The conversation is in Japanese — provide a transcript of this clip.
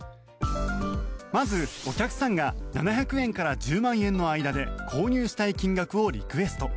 まず、お客さんが７００円から１０万円の間で購入したい金額をリクエスト。